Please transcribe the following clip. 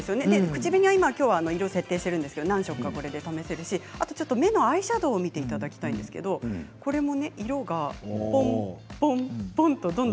口紅は今色を設定しているんですが何色が試せるし目のアイシャドーを見ていただきたいんですが色がポンポンポンと。